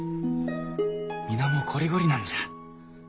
皆もうこりごりなんじゃ。